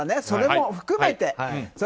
それも含めて。